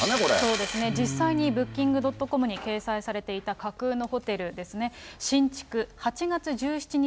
そうですね、実際にブッキング・ドットコムに掲載されていた架空のホテルですね、新築、８月１７日